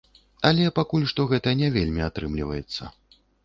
Але пакуль што гэта не вельмі атрымліваецца.